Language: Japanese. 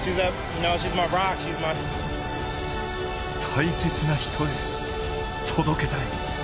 大切な人へ、届けたい。